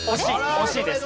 惜しいです。